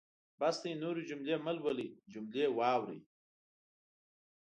بس دی نورې جملې مهلولئ جملې واورئ.